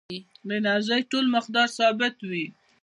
د انرژۍ ټول مقدار ثابت وي.